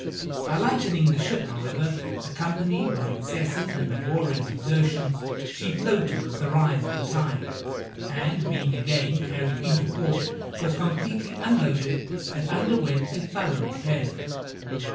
By lightening the ship, however, accompanied by incessant and laborious exertions, she floated with the rise of the tide, and, being again carried into port, was completely unloaded, and underwent a thorough repair.